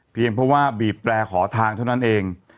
เพราะว่าบีบแปรขอทางเท่านั้นเอง